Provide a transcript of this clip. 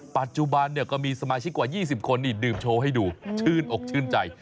ปัจจุบันก็มีสมาชิกกว่า๒๐คนดื่มโชว์ให้ดูชื่นอกชื่นใจ